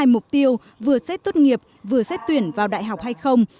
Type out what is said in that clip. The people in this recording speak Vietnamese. cục tiêu vừa xét tuất nghiệp vừa xét tuyển vào đại học hay không